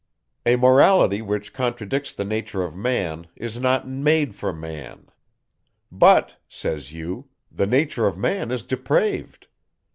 A morality, which contradicts the nature of man, is not made for man. "But," say you, "the nature of man is depraved."